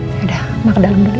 yaudah ma ke dalam dulu ya